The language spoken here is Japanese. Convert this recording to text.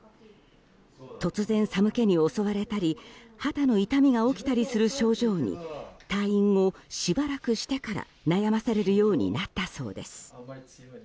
突然、寒気に襲われたり肌の痛みが起きたりする症状に退院後、しばらくしてから悩まされるようになったそうです。